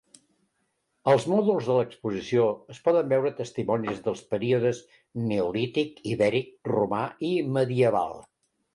Als mòduls de l’exposició es poden veure testimonis dels períodes neolític, ibèric, romà i medieval.